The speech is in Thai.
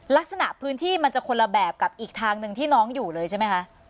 ลักษณะพื้นที่มันจะคนละแบบกับอีกทางหนึ่งที่น้องอยู่เลยใช่ไหมคะ